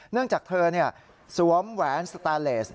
เนื่องจากเธอสวมแหวนสแตนเลส